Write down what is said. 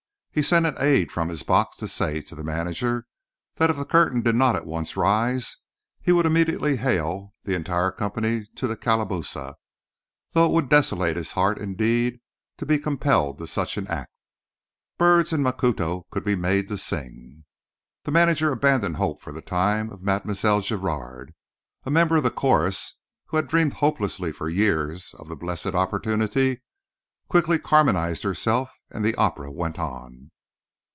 He sent an aide from his box to say to the manager that if the curtain did not at once rise he would immediately hale the entire company to the calabosa, though it would desolate his heart, indeed, to be compelled to such an act. Birds in Macuto could be made to sing. The manager abandoned hope for the time of Mlle. Giraud. A member of the chorus, who had dreamed hopelessly for years of the blessed opportunity, quickly Carmenized herself and the opera went on.